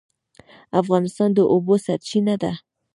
افغانستان د اوبو سرچینه ده